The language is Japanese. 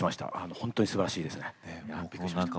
本当にすばらしいです。